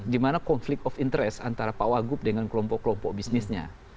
dimana konflik of interest antara pak wagub dengan kelompok kelompok bisnisnya